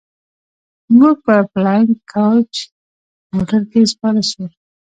موږ په فلاينګ کوچ موټر کښې سپاره سو.